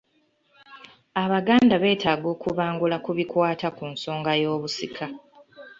Abaganda beetaaga okubangula ku bikwata ku nsonga y’obusika.